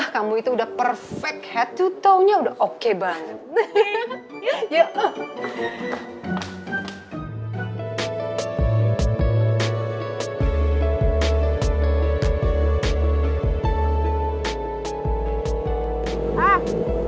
kamu itu udah perfect head to toe nya udah oke banget